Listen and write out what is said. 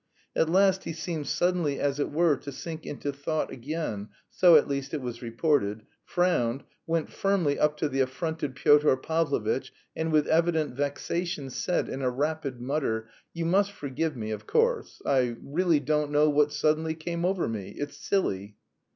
At last he seemed suddenly, as it were, to sink into thought again so at least it was reported frowned, went firmly up to the affronted Pyotr Pavlovitch, and with evident vexation said in a rapid mutter: "You must forgive me, of course... I really don't know what suddenly came over me... it's silly."